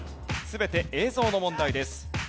全て映像の問題です。